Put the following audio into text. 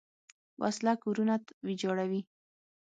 وسله کورونه ویجاړوي